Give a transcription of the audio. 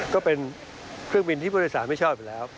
ก็เป็นเครื่องบินที่ผู้โดยสารไม่ชอบอยู่แล้ว